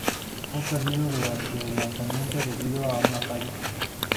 Fue perdido durante el lanzamiento debido a una falla.